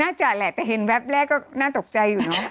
จัดแหละแต่เห็นแวบแรกก็น่าตกใจอยู่เนอะ